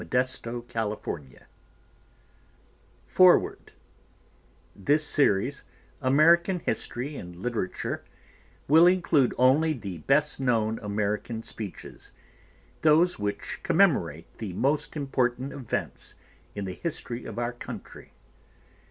DOUGLAS Facing page 62 FOREWORD This series, American History in Literature, will include only the best known American speeches, those which commemorate the most important events in the history of our country.